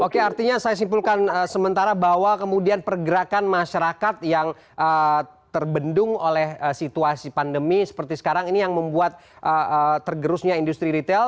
oke artinya saya simpulkan sementara bahwa kemudian pergerakan masyarakat yang terbendung oleh situasi pandemi seperti sekarang ini yang membuat tergerusnya industri retail